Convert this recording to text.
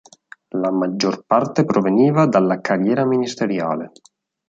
La maggior parte proveniva dalla carriera ministeriale.